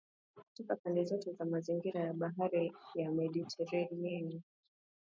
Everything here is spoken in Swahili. kutoka pande zote za mazingira ya Bahari ya Mediteranea